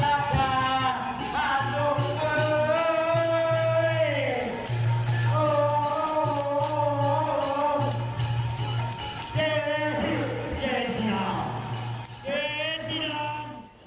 เราก็เลยให้ดูหลายคลิปต่อเนื่องไปเลยนะคะ